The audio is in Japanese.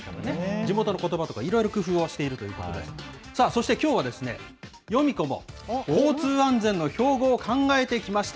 地元のことばとか、いろいろ工夫をしているということで、さあ、そしてきょうはヨミ子も交通安全の標語を考えてきました。